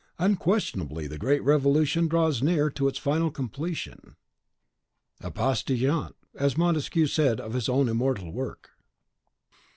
'" "Unquestionably, the great Revolution draws near to its final completion, a pas de geant, as Montesquieu said of his own immortal work."